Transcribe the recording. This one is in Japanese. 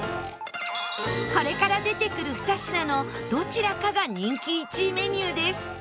これから出てくる２品のどちらかが人気１位メニューです